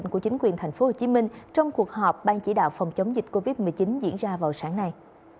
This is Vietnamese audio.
chính quyền thành phố hồ chí minh trong cuộc họp ban chỉ đạo phòng chống dịch covid một mươi chín diễn ra vào sáng nay